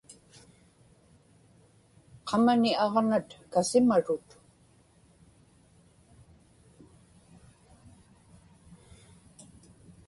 qamani aġnat kasimarut